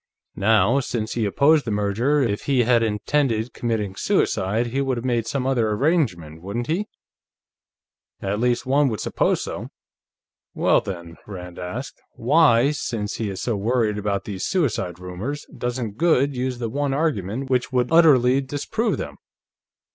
Now, since he opposed the merger, if he had intended committing suicide, he would have made some other arrangement, wouldn't he? At least, one would suppose so. Well, then," Rand asked, "why, since he is so worried about these suicide rumors, doesn't Goode use the one argument which would utterly disprove them?